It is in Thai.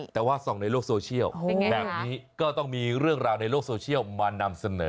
แต่ว่าส่องในโลกโซเชียลแบบนี้ก็ต้องมีเรื่องราวในโลกโซเชียลมานำเสนอ